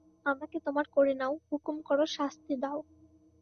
আমাকে তোমার করে নাও– হুকুম করো, শাস্তি দাও।